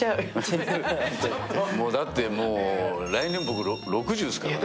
もうだって来年、僕、６０ですからね。